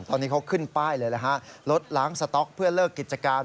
ตอนนี้เขาขึ้นป้ายเลยนะฮะรถล้างสต๊อกเพื่อเลิกกิจการ